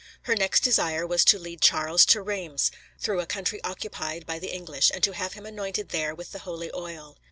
Her next desire was to lead Charles to Reims, through a country occupied by the English, and to have him anointed there with the holy oil.